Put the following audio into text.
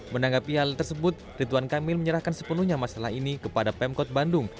menanggapi hal tersebut rituan kamil menyerahkan sepenuhnya masalah ini kepada pemkot bandung